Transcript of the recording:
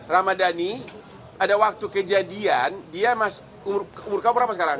ramadhani ada waktu kejadian dia umur kamu berapa sekarang